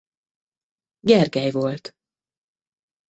Gergely volt.